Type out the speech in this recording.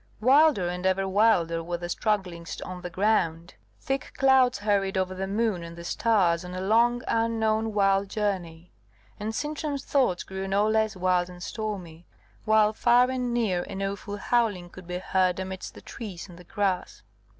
Wilder and ever wilder were the strugglings on the ground; thick clouds hurried over the moon and the stars, on a long unknown wild journey; and Sintram's thoughts grew no less wild and stormy, while far and near an awful howling could be heard amidst the trees and the grass.